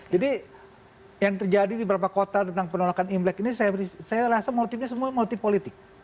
jadi yang terjadi di beberapa kota tentang penolakan imlek ini saya rasa motifnya semua multipolitik